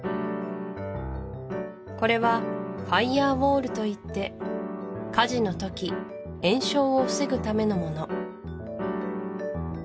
これはファイヤーウォールといって火事の時延焼を防ぐためのもの